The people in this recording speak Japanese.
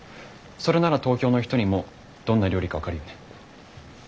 それなら東京の人にもどんな料理か分かるよね。